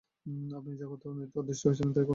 আপনি যা করতে আদিষ্ট হয়েছেন তা-ই করুন!